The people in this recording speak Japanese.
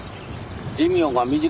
寿命が短い。